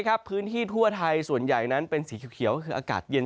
พื้นที่ทั่วไทยส่วนใหญ่นั้นเป็นสีเขียวก็คืออากาศเย็น